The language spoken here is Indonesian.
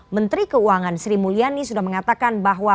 menteri keuangan sri mulyani sudah mengatakan bahwa